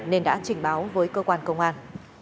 nên đã trình báo với cơ quan công an